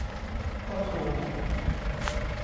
ก็ถูก